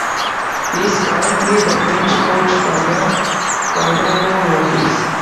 He is currently the bench coach for the Colorado Rockies.